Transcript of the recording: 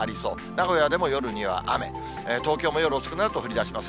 名古屋でも夜には雨、東京も夜遅くなると降りだします。